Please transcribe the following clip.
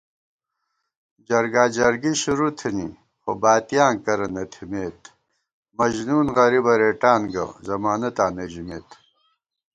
جرگا جرگی شروع تھنی، خو باتِیاں کرہ نہ تھِمېت * مجنُون غریبہ رېٹان گہ، ضمانَتاں نہ ژِمېت